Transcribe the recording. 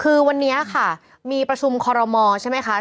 คือวันนี้ค่ะมีประชุมคอรมอใช่ไหมคะ